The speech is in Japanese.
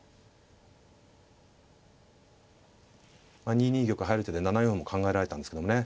２二玉入る手で７四も考えられたんですけどもね。